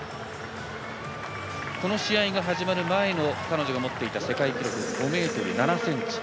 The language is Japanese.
この試合が始まる前の彼女が持っていた世界記録５ｍ７ｃｍ。